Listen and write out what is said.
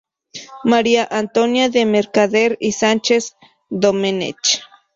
María Antonia de Mercader y Sánchez-Domenech.